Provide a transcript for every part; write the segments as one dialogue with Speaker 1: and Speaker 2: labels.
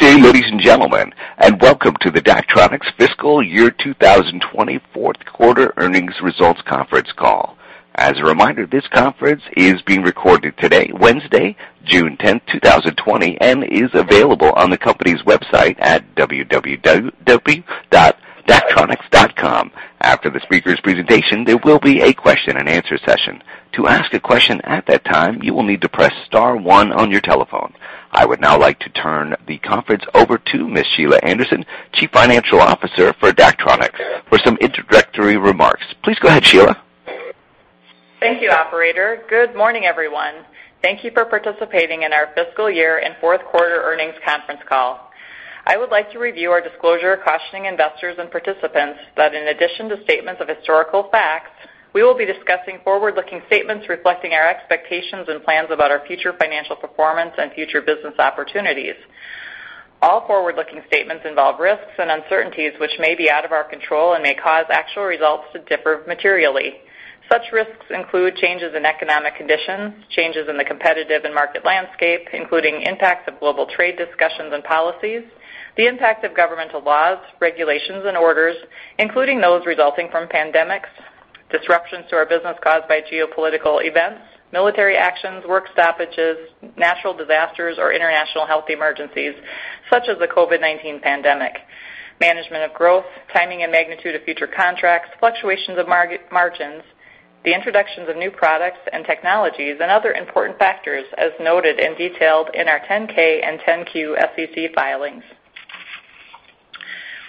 Speaker 1: Good day, ladies and gentlemen, and welcome to the Daktronics Fiscal Year 2020 Fourth Quarter Earnings Results Conference Call. As a reminder, this conference is being recorded today, Wednesday, June 10, 2020, and is available on the company's website at www.daktronics.com. After the speakers' presentation, there will be a question and answer session. To ask a question at that time, you will need to press star one on your telephone. I would now like to turn the conference over to Ms. Sheila Anderson, Chief Financial Officer for Daktronics, for some introductory remarks. Please go ahead, Sheila.
Speaker 2: Thank you, operator. Good morning, everyone. Thank you for participating in our fiscal year and fourth quarter earnings conference call. I would like to review our disclosure cautioning investors and participants that in addition to statements of historical facts, we will be discussing forward-looking statements reflecting our expectations and plans about our future financial performance and future business opportunities. All forward-looking statements involve risks and uncertainties which may be out of our control and may cause actual results to differ materially. Such risks include changes in economic conditions, changes in the competitive and market landscape, including impacts of global trade discussions and policies, the impact of governmental laws, regulations, and orders, including those resulting from pandemics, disruptions to our business caused by geopolitical events, military actions, work stoppages, natural disasters, or international health emergencies, such as the COVID-19 pandemic, management of growth, timing and magnitude of future contracts, fluctuations of margins, the introductions of new products and technologies, and other important factors as noted and detailed in our 10K and 10Q SEC filings.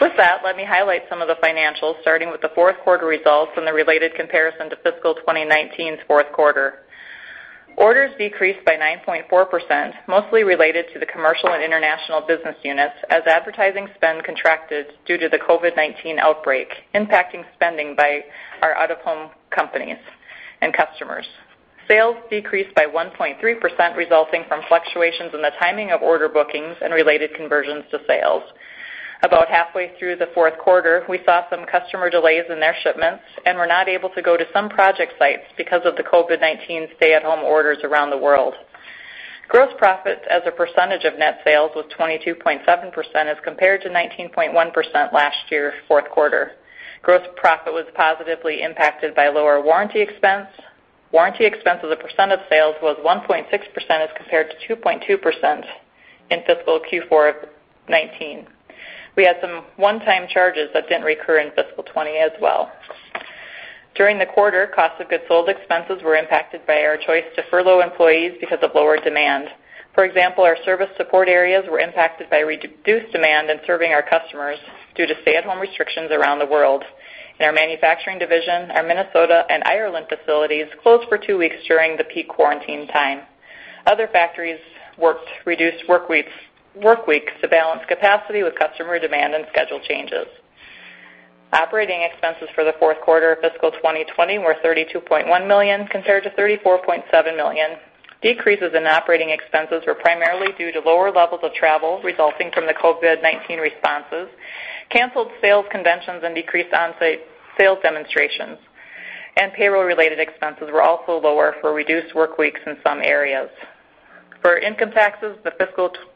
Speaker 2: With that, let me highlight some of the financials, starting with the fourth quarter results and the related comparison to fiscal 2019's fourth quarter. Orders decreased by 9.4%, mostly related to the commercial and international business units as advertising spend contracted due to the COVID-19 outbreak, impacting spending by our out-of-home companies and customers. Sales decreased by 1.3%, resulting from fluctuations in the timing of order bookings and related conversions to sales. About halfway through the fourth quarter, we saw some customer delays in their shipments and were not able to go to some project sites because of the COVID-19 stay-at-home orders around the world. Gross profit as a percentage of net sales was 22.7% as compared to 19.1% last year, fourth quarter. Gross profit was positively impacted by lower warranty expense. Warranty expense as a percent of sales was 1.6% as compared to 2.2% in fiscal Q4 of 2019. We had some one-time charges that didn't recur in fiscal 2020 as well. During the quarter, cost of goods sold expenses were impacted by our choice to furlough employees because of lower demand. For example, our service support areas were impacted by reduced demand in serving our customers due to stay-at-home restrictions around the world. In our manufacturing division, our Minnesota and Ireland facilities closed for two weeks during the peak quarantine time. Other factories worked reduced work weeks to balance capacity with customer demand and schedule changes. Operating expenses for the fourth quarter of fiscal 2020 were $32.1 million compared to $34.7 million. Decreases in operating expenses were primarily due to lower levels of travel resulting from the COVID-19 responses, canceled sales conventions, and decreased onsite sales demonstrations, and payroll-related expenses were also lower for reduced work weeks in some areas. For income taxes, the fiscal 2020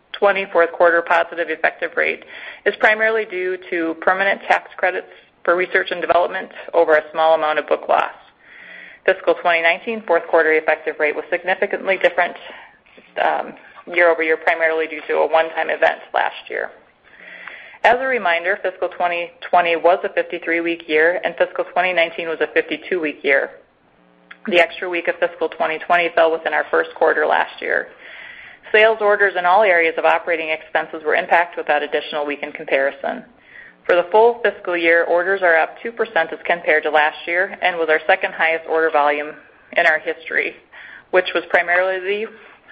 Speaker 2: fourth quarter positive effective rate is primarily due to permanent tax credits for research and development over a small amount of book loss. Fiscal 2019 fourth quarter effective rate was significantly different year-over-year, primarily due to a one-time event last year. As a reminder, fiscal 2020 was a 53-week year, and fiscal 2019 was a 52-week year. The extra week of fiscal 2020 fell within our first quarter last year. Sales orders in all areas of operating expenses were impacted with that additional week in comparison. For the full fiscal year, orders are up 2% as compared to last year and with our second highest order volume in our history, which was primarily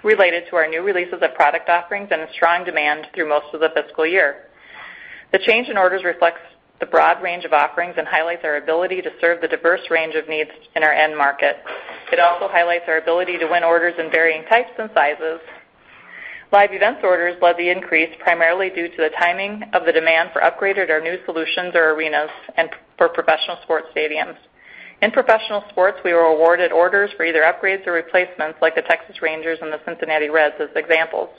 Speaker 2: related to our new releases of product offerings and a strong demand through most of the fiscal year. The change in orders reflects the broad range of offerings and highlights our ability to serve the diverse range of needs in our end market. It also highlights our ability to win orders in varying types and sizes. Live events orders led the increase primarily due to the timing of the demand for upgraded or new solutions or arenas and for professional sports stadiums. In professional sports, we were awarded orders for either upgrades or replacements like the Texas Rangers and the Cincinnati Reds as examples.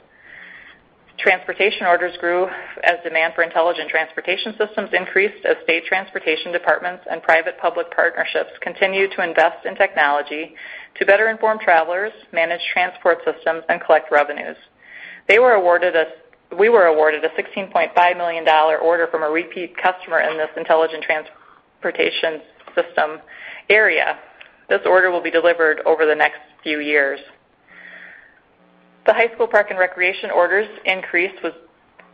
Speaker 2: Transportation orders grew as demand for intelligent transportation systems increased as state transportation departments and private-public partnerships continued to invest in technology to better inform travelers, manage transport systems, and collect revenues. We were awarded a $16.5 million order from a repeat customer in this intelligent transportation system area. This order will be delivered over the next few years. The high school, park, and recreation orders increase was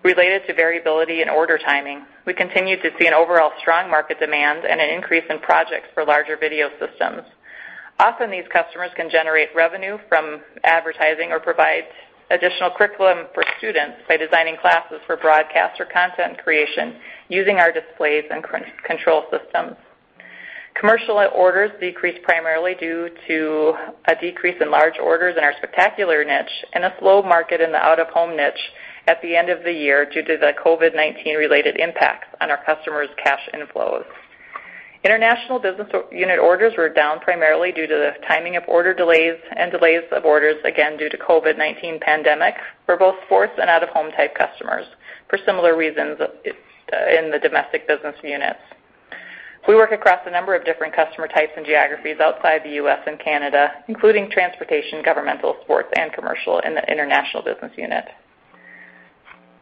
Speaker 2: related to variability in order timing. We continue to see an overall strong market demand and an increase in projects for larger video systems. Often, these customers can generate revenue from advertising or provide additional curriculum for students by designing classes for broadcast or content creation using our displays and control systems. Commercial orders decreased primarily due to a decrease in large orders in our spectacular niche and a slow market in the out-of-home niche at the end of the year due to the COVID-19 related impacts on our customers' cash inflows. International business unit orders were down primarily due to the timing of order delays and delays of orders, again due to COVID-19 pandemic for both sports and out-of-home type customers for similar reasons in the domestic business units. We work across a number of different customer types and geographies outside the U.S. and Canada, including transportation, governmental, sports, and commercial in the international business unit.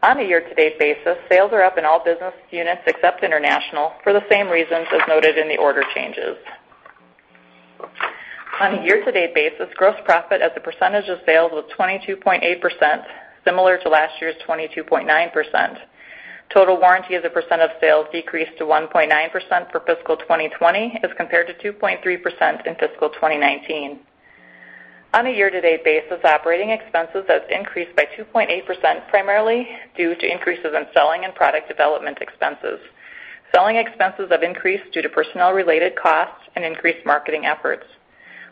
Speaker 2: On a year-to-date basis, sales are up in all business units except international for the same reasons as noted in the order changes. On a year-to-date basis, gross profit as a percentage of sales was 22.8%, similar to last year's 22.9%. Total warranty as a percent of sales decreased to 1.9% for fiscal 2020 as compared to 2.3% in fiscal 2019. On a year-to-date basis, operating expenses have increased by 2.8%, primarily due to increases in selling and product development expenses. Selling expenses have increased due to personnel-related costs and increased marketing efforts.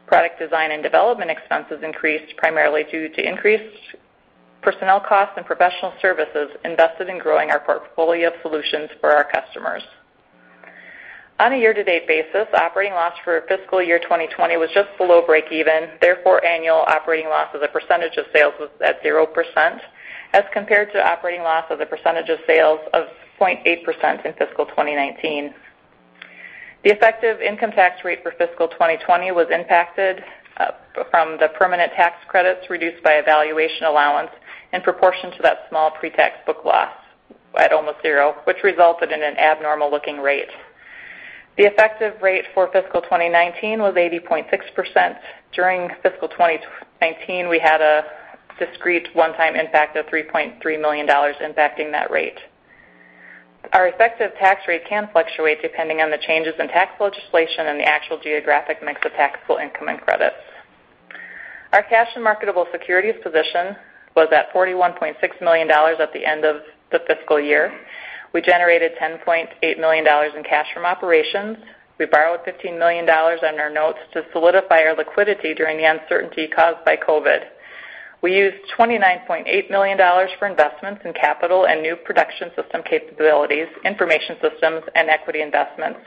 Speaker 2: Product design and development expenses increased primarily due to increased personnel costs and professional services invested in growing our portfolio of solutions for our customers. On a year-to-date basis, operating loss for fiscal year 2020 was just below break even, therefore annual operating loss as a percentage of sales was at 0%, as compared to operating loss as a percentage of sales of 0.8% in fiscal 2019. The effective income tax rate for fiscal 2020 was impacted from the permanent tax credits reduced by a valuation allowance in proportion to that small pre-tax book loss at almost zero, which resulted in an abnormal-looking rate. The effective rate for fiscal 2019 was 80.6%. During fiscal 2019, we had a discrete one-time impact of $3.3 million impacting that rate. Our effective tax rate can fluctuate depending on the changes in tax legislation and the actual geographic mix of taxable income and credits. Our cash and marketable securities position was at $41.6 million at the end of the fiscal year. We generated $10.8 million in cash from operations. We borrowed $15 million on our notes to solidify our liquidity during the uncertainty caused by COVID. We used $29.8 million for investments in capital and new production system capabilities, information systems, and equity investments.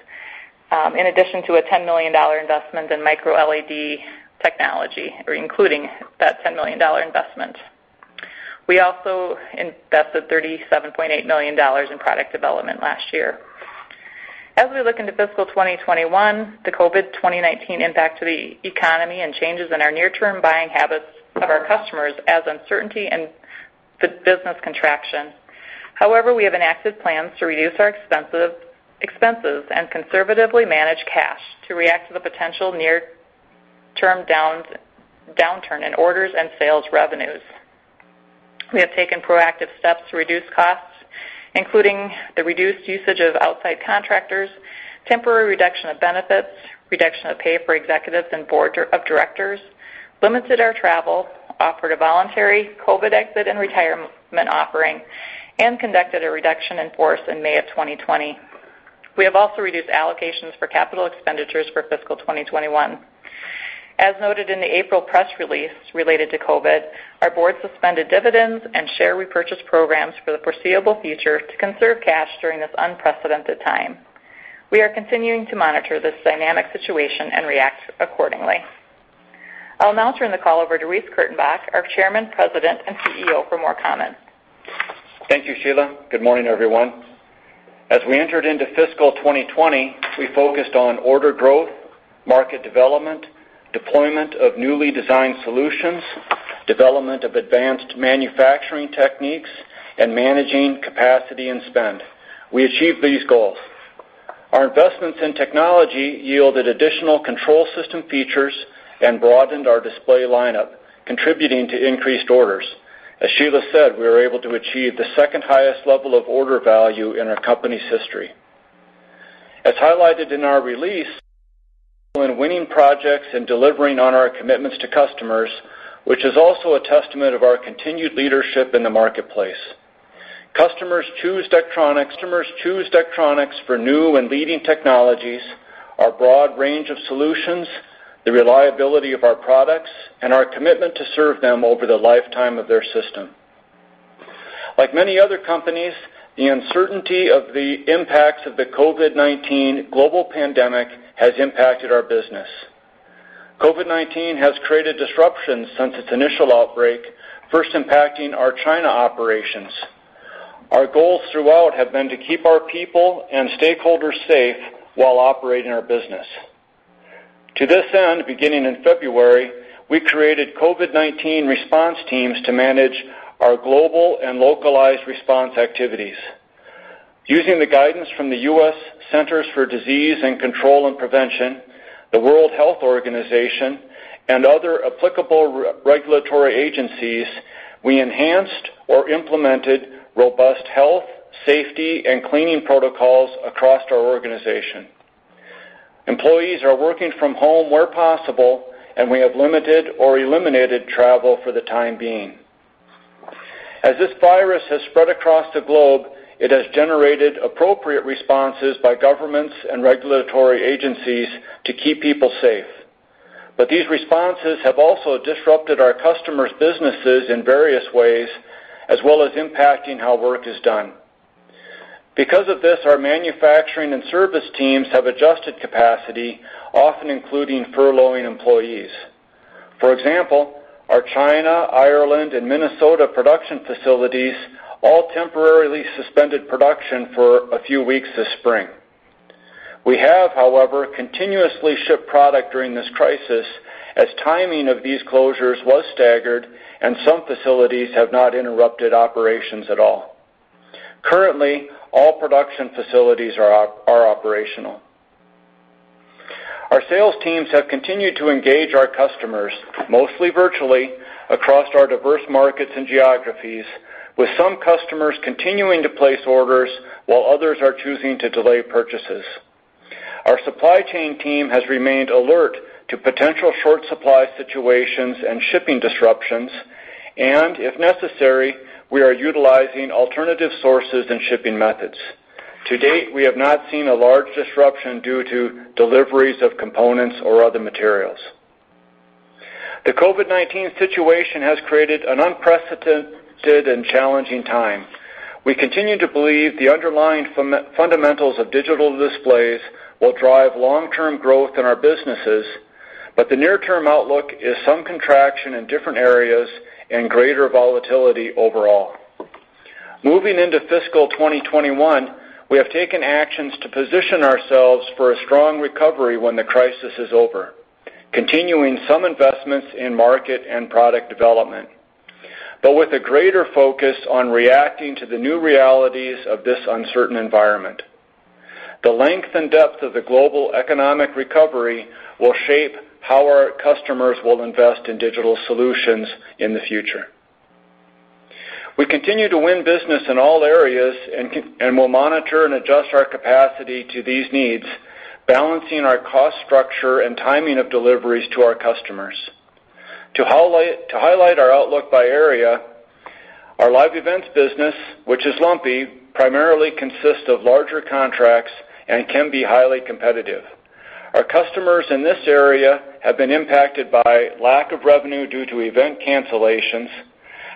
Speaker 2: In addition to a $10 million investment in micro-LED technology, or including that $10 million investment. We also invested $37.8 million in product development last year. As we look into fiscal 2021, the COVID-19 impact to the economy and changes in our near-term buying habits of our customers adds uncertainty and business contraction. However, we have enacted plans to reduce our expenses and conservatively manage cash to react to the potential near-term downturn in orders and sales revenues. We have taken proactive steps to reduce costs, including the reduced usage of outside contractors, temporary reduction of benefits, reduction of pay for executives and board of directors, limited our travel, offered a voluntary COVID exit and retirement offering, and conducted a reduction in force in May of 2020. We have also reduced allocations for capital expenditures for fiscal 2021. As noted in the April press release related to COVID, our board suspended dividends and share repurchase programs for the foreseeable future to conserve cash during this unprecedented time. We are continuing to monitor this dynamic situation and react accordingly. I'll now turn the call over to Reece Kurtenbach, our Chairman, President, and CEO, for more comments.
Speaker 3: Thank you, Sheila. Good morning, everyone. As we entered into fiscal 2020, we focused on order growth, market development, deployment of newly designed solutions, development of advanced manufacturing techniques, and managing capacity and spend. We achieved these goals. Our investments in technology yielded additional control system features and broadened our display lineup, contributing to increased orders. As Sheila said, we were able to achieve the second highest level of order value in our company's history. As highlighted in our release, when winning projects and delivering on our commitments to customers, which is also a testament of our continued leadership in the marketplace. Customers choose Daktronics for new and leading technologies, our broad range of solutions, the reliability of our products, and our commitment to serve them over the lifetime of their system. Like many other companies, the uncertainty of the impacts of the COVID-19 global pandemic has impacted our business. COVID-19 has created disruptions since its initial outbreak, first impacting our China operations. Our goals throughout have been to keep our people and stakeholders safe while operating our business. To this end, beginning in February, we created COVID-19 response teams to manage our global and localized response activities. Using the guidance from the U.S. Centers for Disease Control and Prevention, the World Health Organization, and other applicable regulatory agencies, we enhanced or implemented robust health, safety, and cleaning protocols across our organization. Employees are working from home where possible, and we have limited or eliminated travel for the time being. As this virus has spread across the globe, it has generated appropriate responses by governments and regulatory agencies to keep people safe. These responses have also disrupted our customers' businesses in various ways, as well as impacting how work is done. Because of this, our manufacturing and service teams have adjusted capacity, often including furloughing employees. For example, our China, Ireland, and Minnesota production facilities all temporarily suspended production for a few weeks this spring. We have, however, continuously shipped product during this crisis, as timing of these closures was staggered and some facilities have not interrupted operations at all. Currently, all production facilities are operational. Our sales teams have continued to engage our customers, mostly virtually, across our diverse markets and geographies, with some customers continuing to place orders while others are choosing to delay purchases. Our supply chain team has remained alert to potential short supply situations and shipping disruptions, and if necessary, we are utilizing alternative sources and shipping methods. To date, we have not seen a large disruption due to deliveries of components or other materials. The COVID-19 situation has created an unprecedented and challenging time. We continue to believe the underlying fundamentals of digital displays will drive long-term growth in our businesses, but the near-term outlook is some contraction in different areas and greater volatility overall. Moving into fiscal 2021, we have taken actions to position ourselves for a strong recovery when the crisis is over, continuing some investments in market and product development, but with a greater focus on reacting to the new realities of this uncertain environment. The length and depth of the global economic recovery will shape how our customers will invest in digital solutions in the future. We continue to win business in all areas and will monitor and adjust our capacity to these needs, balancing our cost structure and timing of deliveries to our customers. To highlight our outlook by area, our live events business, which is lumpy, primarily consists of larger contracts and can be highly competitive. Our customers in this area have been impacted by lack of revenue due to event cancellations.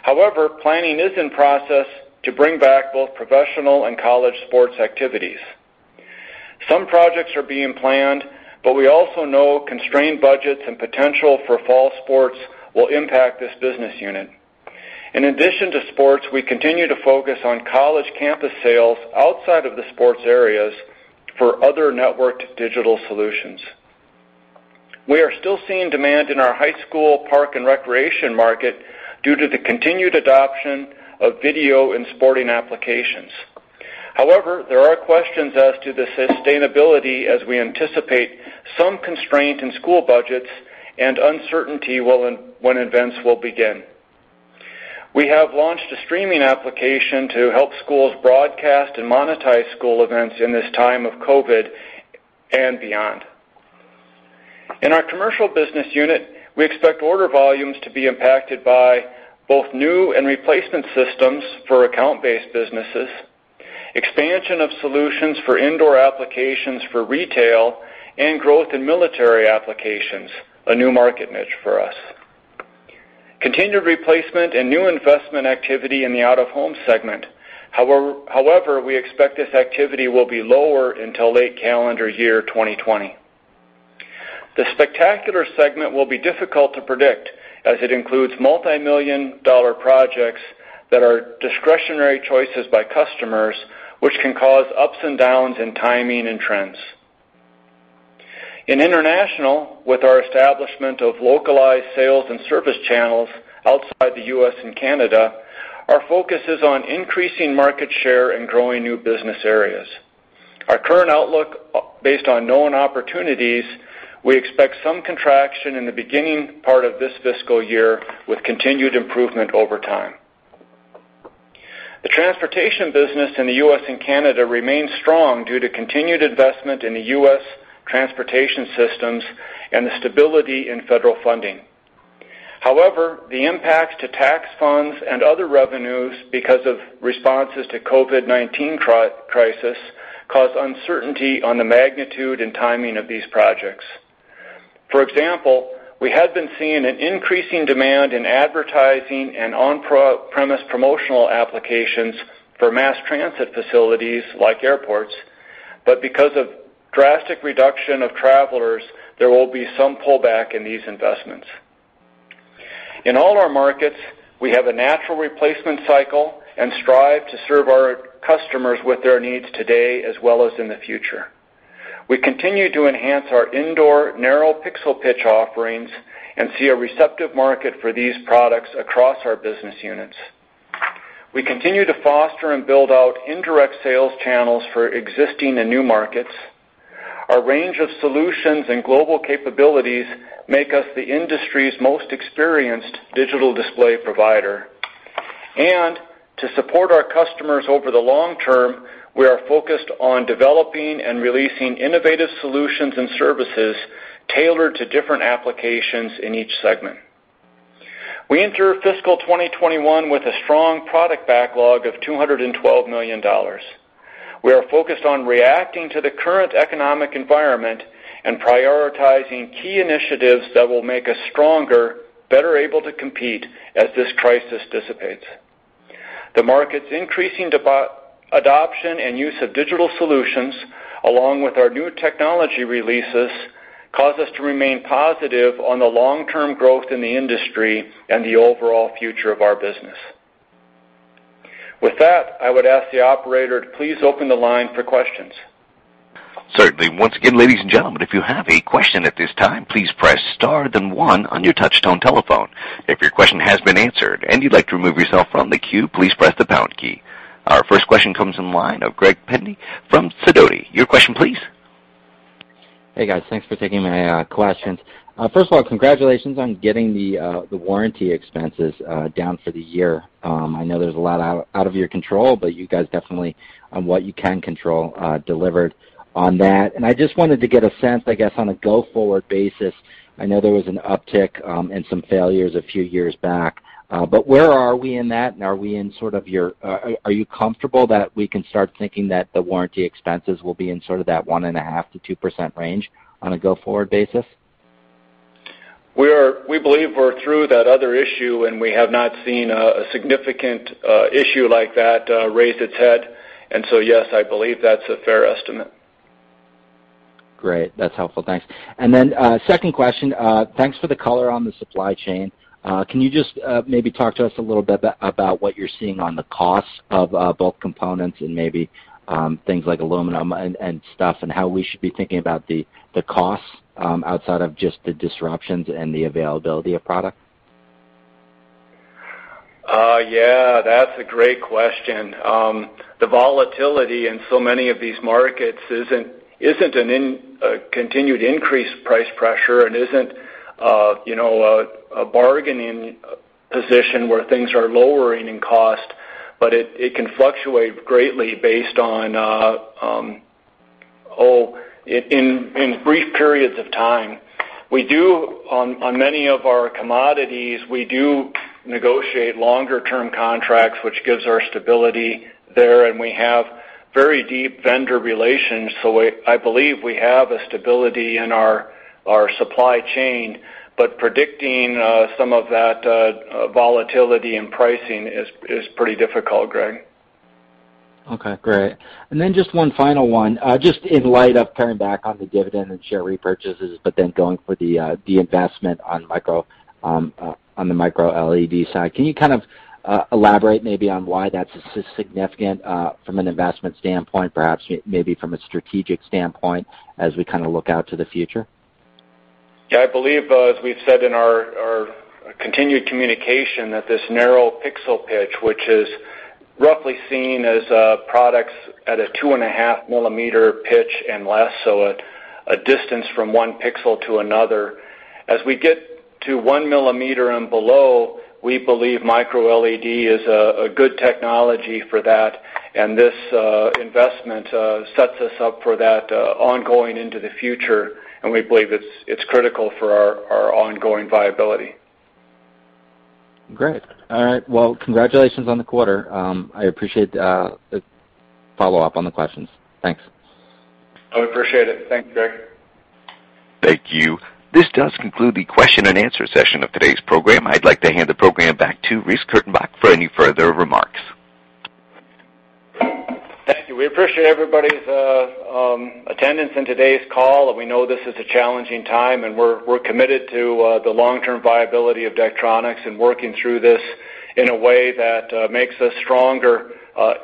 Speaker 3: However, planning is in process to bring back both professional and college sports activities. Some projects are being planned, but we also know constrained budgets and potential for fall sports will impact this business unit. In addition to sports, we continue to focus on college campus sales outside of the sports areas for other networked digital solutions. We are still seeing demand in our high school park and recreation market due to the continued adoption of video and sporting applications. However, there are questions as to the sustainability as we anticipate some constraint in school budgets and uncertainty when events will begin. We have launched a streaming application to help schools broadcast and monetize school events in this time of COVID and beyond. In our commercial business unit, we expect order volumes to be impacted by both new and replacement systems for account-based businesses, expansion of solutions for indoor applications for retail, and growth in military applications, a new market niche for us, and continued replacement and new investment activity in the out-of-home segment. However, we expect this activity will be lower until late calendar year 2020. The spectacular segment will be difficult to predict, as it includes multimillion-dollar projects that are discretionary choices by customers, which can cause ups and downs in timing and trends. In international, with our establishment of localized sales and service channels outside the U.S. and Canada, our focus is on increasing market share and growing new business areas. Our current outlook based on known opportunities, we expect some contraction in the beginning part of this fiscal year with continued improvement over time. The transportation business in the U.S. and Canada remains strong due to continued investment in the U.S. transportation systems and the stability in federal funding. However, the impacts to tax funds and other revenues because of responses to COVID-19 crisis cause uncertainty on the magnitude and timing of these projects. For example, we had been seeing an increasing demand in advertising and on-premise promotional applications for mass transit facilities like airports, but because of drastic reduction of travelers, there will be some pullback in these investments. In all our markets, we have a natural replacement cycle and strive to serve our customers with their needs today as well as in the future. We continue to enhance our indoor narrow pixel pitch offerings and see a receptive market for these products across our business units. We continue to foster and build out indirect sales channels for existing and new markets. Our range of solutions and global capabilities make us the industry's most experienced digital display provider. To support our customers over the long term, we are focused on developing and releasing innovative solutions and services tailored to different applications in each segment. We enter fiscal 2021 with a strong product backlog of $212 million. We are focused on reacting to the current economic environment and prioritizing key initiatives that will make us stronger, better able to compete as this crisis dissipates. The market's increasing adoption and use of digital solutions, along with our new technology releases, cause us to remain positive on the long-term growth in the industry and the overall future of our business. With that, I would ask the operator to please open the line for questions.
Speaker 1: Certainly. Once again, ladies and gentlemen, if you have a question at this time, please press star then one on your touch-tone telephone. If your question has been answered and you'd like to remove yourself from the queue, please press the pound key. Our first question comes in the line of Greg Pendy from Sidoti. Your question please.
Speaker 4: Hey, guys. Thanks for taking my questions. First of all, congratulations on getting the warranty expenses down for the year. I know there's a lot out of your control, but you guys definitely, on what you can control, delivered on that. I just wanted to get a sense, I guess, on a go-forward basis. I know there was an uptick in some failures a few years back. Where are we in that? Are you comfortable that we can start thinking that the warranty expenses will be in that 1.5%-2% range on a go-forward basis?
Speaker 3: We believe we're through that other issue. We have not seen a significant issue like that raise its head. Yes, I believe that's a fair estimate.
Speaker 4: Great. That's helpful. Thanks. Second question, thanks for the color on the supply chain. Can you just maybe talk to us a little bit about what you're seeing on the costs of bulk components and maybe things like aluminum and stuff, and how we should be thinking about the costs outside of just the disruptions and the availability of product?
Speaker 3: Yeah, that's a great question. The volatility in so many of these markets isn't a continued increased price pressure and isn't a bargaining position where things are lowering in cost, but it can fluctuate greatly based on in brief periods of time. On many of our commodities, we do negotiate longer-term contracts, which gives our stability there, and we have very deep vendor relations. I believe we have a stability in our supply chain, but predicting some of that volatility in pricing is pretty difficult, Greg.
Speaker 4: Okay, great. Just one final one. Just in light of paring back on the dividend and share repurchases, but then going for the investment on the micro-LED side, can you kind of elaborate maybe on why that's significant from an investment standpoint, perhaps maybe from a strategic standpoint as we kind of look out to the future?
Speaker 3: I believe, as we've said in our continued communication, that this narrow pixel pitch, which is roughly seen as products at a 2.5 mm pitch and less, so a distance from one pixel to another. As we get to 1 mm and below, we believe micro-LED is a good technology for that, and this investment sets us up for that ongoing into the future, and we believe it's critical for our ongoing viability.
Speaker 4: Great. All right. Well, congratulations on the quarter. I appreciate the follow-up on the questions. Thanks.
Speaker 3: I appreciate it. Thanks, Greg.
Speaker 1: Thank you. This does conclude the question and answer session of today's program. I'd like to hand the program back to Reece Kurtenbach for any further remarks.
Speaker 3: Thank you. We appreciate everybody's attendance in today's call, and we know this is a challenging time, and we're committed to the long-term viability of Daktronics and working through this in a way that makes us stronger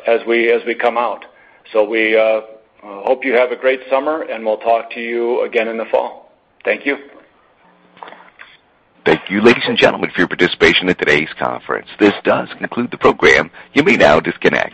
Speaker 3: as we come out. We hope you have a great summer, and we'll talk to you again in the fall. Thank you.
Speaker 1: Thank you, ladies and gentlemen, for your participation in today's conference. This does conclude the program. You may now disconnect.